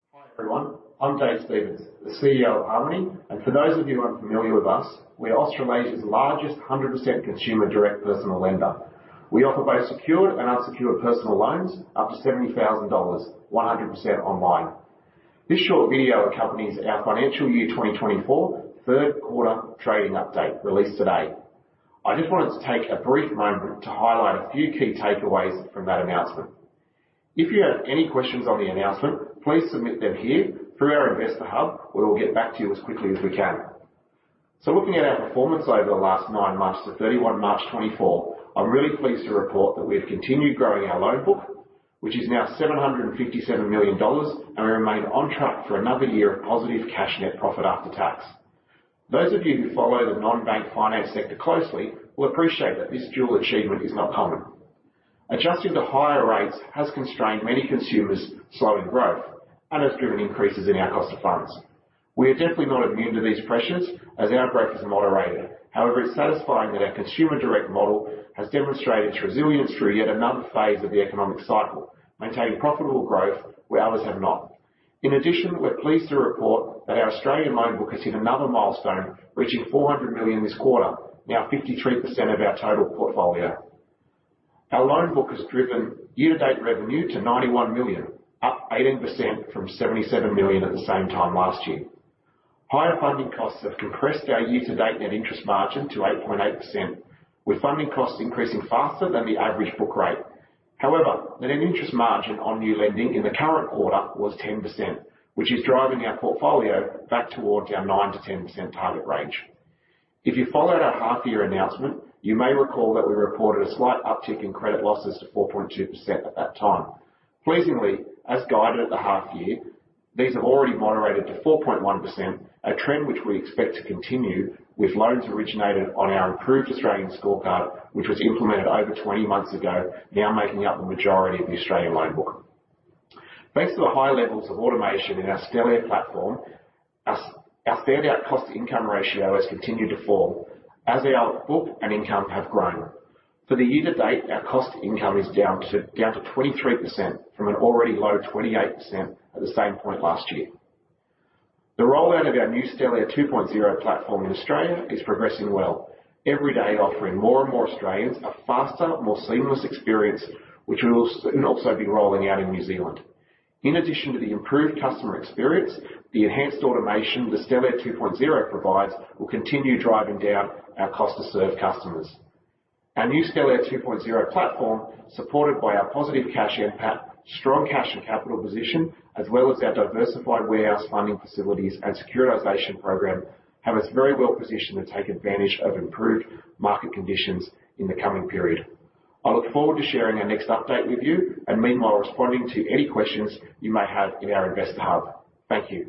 Hi everyone. I'm Dave Stevens, the CEO of Harmoney, and for those of you unfamiliar with us, we're Australia's largest 100% consumer-direct personal lender. We offer both secured and unsecured personal loans up to 70,000 dollars, 100% online. This short video accompanies our financial year 2024 third quarter trading update released today. I just wanted to take a brief moment to highlight a few key takeaways from that announcement. If you have any questions on the announcement, please submit them here through our Investor Hub, and we'll get back to you as quickly as we can. So looking at our performance over the last nine months to 31 March 2024, I'm really pleased to report that we've continued growing our loan book, which is now 757 million dollars, and we remain on track for another year of positive cash net profit after tax. Those of you who follow the non-bank finance sector closely will appreciate that this dual achievement is not common. Adjusting to higher rates has constrained many consumers' slowing growth and has driven increases in our cost of funds. We are definitely not immune to these pressures as our growth is moderated. However, it's satisfying that our consumer-direct model has demonstrated its resilience through yet another phase of the economic cycle, maintaining profitable growth where others have not. In addition, we're pleased to report that our Australian loan book has hit another milestone, reaching 400 million this quarter, now 53% of our total portfolio. Our loan book has driven year-to-date revenue to 91 million, up 18% from 77 million at the same time last year. Higher funding costs have compressed our year-to-date net interest margin to 8.8%, with funding costs increasing faster than the average book rate. However, the net interest margin on new lending in the current quarter was 10%, which is driving our portfolio back towards our 9%-10% target range. If you followed our half-year announcement, you may recall that we reported a slight uptick in credit losses to 4.2% at that time. Pleasingly, as guided at the half-year, these have already moderated to 4.1%, a trend which we expect to continue with loans originated on our improved Australian scorecard, which was implemented over 20 months ago, now making up the majority of the Australian loan book. Thanks to the high levels of automation in our Stellare platform, our standout cost-to-income ratio has continued to fall as our book and income have grown. For the year-to-date, our cost-to-income is down to 23% from an already low 28% at the same point last year. The rollout of our new Stellare 2.0 platform in Australia is progressing well, every day offering more and more Australians a faster, more seamless experience, which will soon also be rolling out in New Zealand. In addition to the improved customer experience, the enhanced automation the Stellare 2.0 provides will continue driving down our cost-to-serve customers. Our new Stellare 2.0 platform, supported by our positive cash impact, strong cash and capital position, as well as our diversified warehouse funding facilities and securitisation program, have us very well positioned to take advantage of improved market conditions in the coming period. I look forward to sharing our next update with you and meanwhile responding to any questions you may have in our Investor Hub. Thank you.